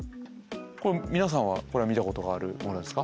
これ皆さんはこれは見たことがあるものですか？